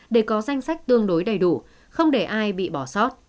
để có danh sách tương đối đầy đủ không để ai bị bỏ sót